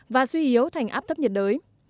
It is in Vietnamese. và suy yếu thành áp thấp nhiệt đới